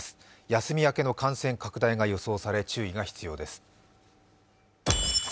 休み明けの感染拡大が予想され、注意が必要です。